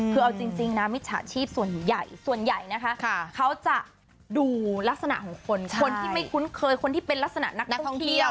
คือเอาจริงนะมิจฉาชีพส่วนใหญ่ส่วนใหญ่นะคะเขาจะดูลักษณะของคนคนที่ไม่คุ้นเคยคนที่เป็นลักษณะนักท่องเที่ยว